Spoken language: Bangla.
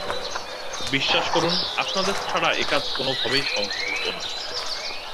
বিশ্বাস করুন, আপনাদের ছাড়া একাজ কোনোভাবেই সম্ভব হত না!